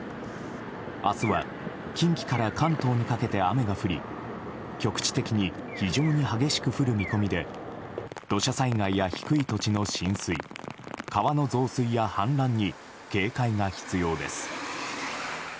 明日は、近畿から関東にかけて雨が降り局地的に非常に激しく降る見込みで土砂災害や低い土地の浸水川の増水や氾濫に警戒が必要です。